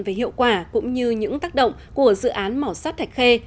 về hiệu quả cũng như những tác động của dự án mỏ sắt thạch khê